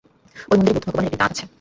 ঐ মন্দিরে বুদ্ধ-ভগবানের একটি দাঁত আছে।